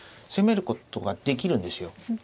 攻めることができるんですよ。